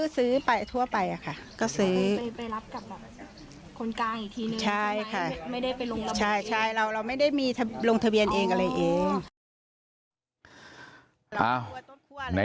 ซื้อไปทั่วไปค่ะก็ซื้อไปรับกับคนกลางอีกทีนึงใช่ค่ะไม่ได้ไปลงทะเบียนเองใช่เราไม่ได้มีลงทะเบียนเองอะไรเอง